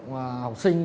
và học sinh